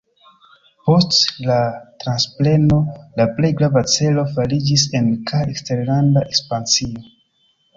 Post la transpreno la plej grava celo fariĝis en- kaj eksterlanda ekspansio.